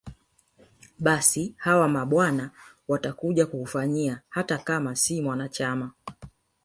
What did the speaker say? Basi hawa mabwana watakuja kukufanyia hata kama si mwanachama